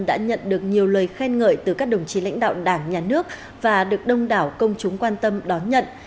đã nhận được nhiều lời khen ngợi từ các đồng chí lãnh đạo đảng nhà nước và được đông đảo công chúng quan tâm đón nhận